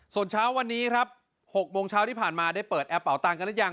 ส่วนเช้าวันนี้ครับ๖โมงเช้าที่ผ่านมาได้เปิดแอปเป่าตังค์กันหรือยัง